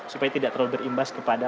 supaya tidak terlalu berimbasan